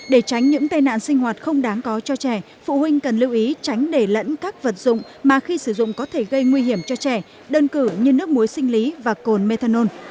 để tránh những tai nạn sinh hoạt không đáng có cho trẻ phụ huynh cần lưu ý tránh để lẫn các vật dụng mà khi sử dụng có thể gây nguy hiểm cho trẻ đơn cử như nước muối sinh lý và cồn methanol